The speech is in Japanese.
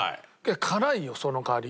辛いよその代わり。